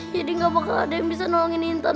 jadi gak bakal ada yang bisa nolongin intan